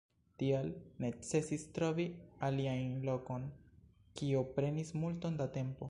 Tial necesis trovi alian lokon, kio prenis multon da tempo.